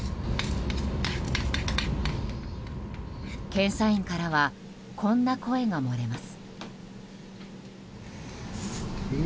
検査員からはこんな声が漏れます。